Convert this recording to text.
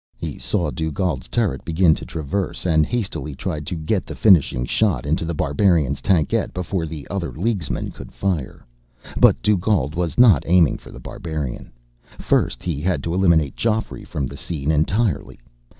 He saw Dugald's turret begin to traverse, and hastily tried to get the finishing shot into The Barbarian's tankette before the other Leaguesman could fire. But Dugald was not aiming for The Barbarian. First he had to eliminate Geoffrey from the scene entirely.